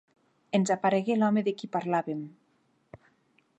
Ens aparegué l'home de qui parlàvem.